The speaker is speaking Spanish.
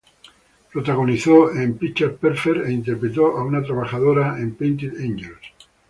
Protagonizó en "Picture Perfect" e interpretó a una trabajadora en "Painted Angels".